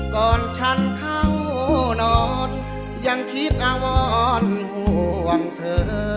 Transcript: ก่อนฉันเข้านอนยังคิดอาวรห่วงเธอ